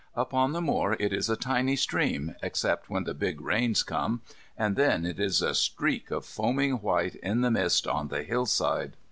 Up on the moor it is a tiny stream, except when the big rains come, and then it is a streak of foaming white in the mist on the hillside.